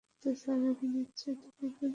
আমি নিশ্চয়ই তোমাকে বিয়ে করব!